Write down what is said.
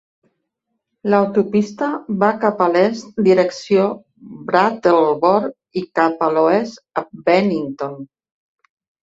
L'autopista va cap a l'est direcció Brattleboro i cap a l'oest a Bennington.